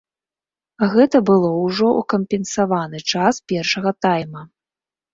Гэта было ўжо ў кампенсаваны час першага тайма.